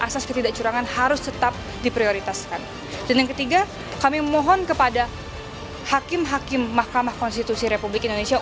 hakim hakim mahkamah konstitusi republik indonesia